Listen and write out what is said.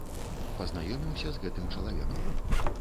Пазнаёміўся з гэтым чалавекам.